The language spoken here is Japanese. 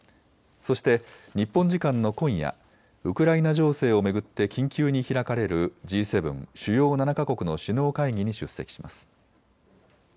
そして日本時間の今夜、ウクライナ情勢を巡って緊急に開かれるＧ７・主要７か国の首脳会議に出席します。